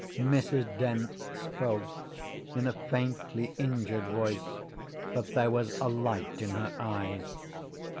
Mrs. Dent spoke in a faintly injured voice, but there was a light in her eyes.